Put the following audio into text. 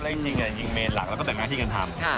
แล้วก็จับเลขจริงจริงเมนท์หลักแล้วก็แบบงานที่กันทำ